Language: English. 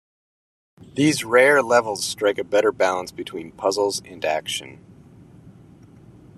These rare levels strike a better balance between puzzles and action.